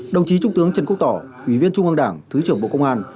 đồng chí trung tướng trần quốc tỏ ủy viên trung ương đảng thứ trưởng bộ công an